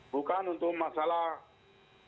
bukan untuk masalah